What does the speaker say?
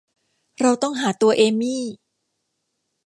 เราต้องหาตัวเอมี่